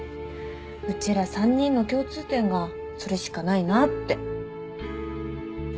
うちら３人の共通点がそれしかないなって。